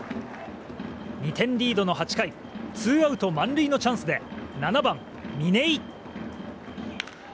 ２点リードの８回ツーアウト満塁のチャンスで７番、嶺井。